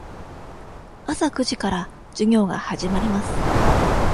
朝九時から授業が始まります。